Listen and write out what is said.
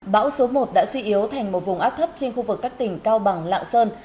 bão số một đã suy yếu thành một vùng áp thấp trên khu vực các tỉnh cao bằng lạng sơn